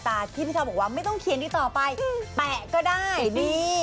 แต่ที่พี่ท็อปบอกว่าไม่ต้องเขียนดีต่อไปแปะก็ได้ดี